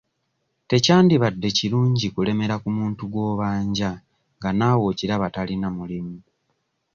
Tekyandibadde kirungi kulemera ku muntu gw'obanja nga naawe okiraba talina mulimu.